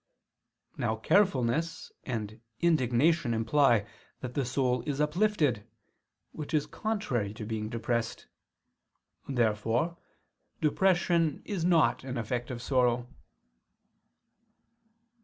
Now carefulness and indignation imply that the soul is uplifted, which is contrary to being depressed. Therefore depression is not an effect of sorrow.